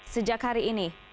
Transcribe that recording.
sejak hari ini